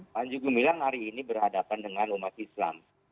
panji gumilang hari ini berhadapan dengan umat islam